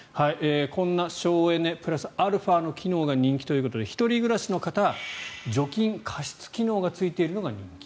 こんな省エネプラスアルファの機能が人気ということで１人暮らしの方除菌・加湿機能がついているのが人気。